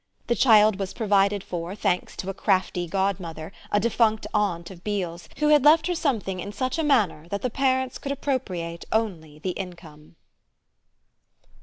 The child was provided for, thanks to a crafty godmother, a defunct aunt of Beale's, who had left her something in such a manner that the parents could appropriate only the income.